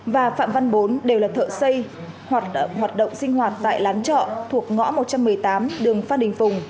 và phạm văn bốn đều là thợ xây hoặc hoạt động sinh hoạt tại lán trọ thuộc ngõ một trăm một mươi tám đường phan đình phùng